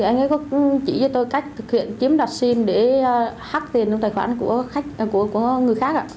anh ấy có chỉ cho tôi cách thực hiện chiếm đoạt sim để hắc tiền trong tài khoản của người khác